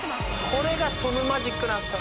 「これがトムマジックなんですよ！」